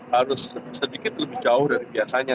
harus sedikit lebih jauh dari biasanya